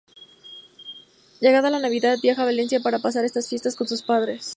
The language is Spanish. Llegada la Navidad, viaja a Valencia para pasar esas fiestas con sus padres.